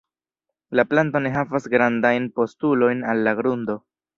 La planto ne havas grandajn postulojn al la grundo.